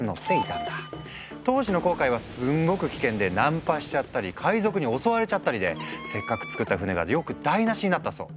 当時の航海はすんごく危険で難破しちゃったり海賊に襲われちゃったりでせっかく造った船がよく台なしになったそう。